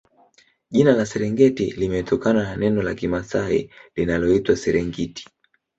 Jina la Serengeti limetokana na neno la kimasai linaloitwa Serengiti